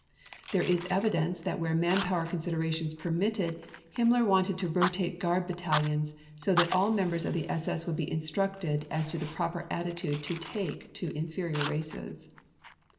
There is evidence that where manpower considerations permitted, Himmler wanted to rotate guard battalions so that all members of the SS would be instructed as to the proper attitude to take to inferior races.